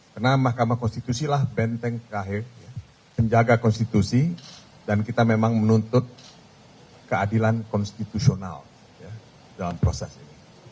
karena mahkamah konstitusi lah benteng kae penjaga konstitusi dan kita memang menuntut keadilan konstitusional dalam proses ini